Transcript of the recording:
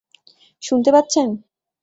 শুনতে পাচ্ছেন?